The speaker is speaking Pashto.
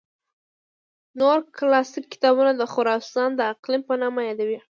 نور کلاسیک کتابونه خراسان د اقلیم په نامه یادوي.